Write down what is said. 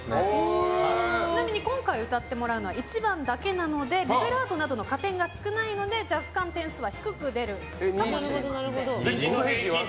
ちなみに今回歌ってもらうのは１番だけなのでビブラートなどの加点が少ないので若干点数は低く出るかもしれません。